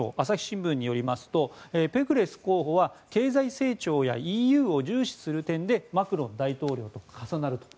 朝日新聞によりますとペクレス候補は経済成長やＥＵを重視する点でマクロン大統領と重なる。